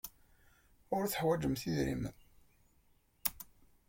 Ur teḥwajemt idrimen.